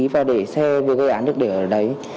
và để xe gây án được để ở đấy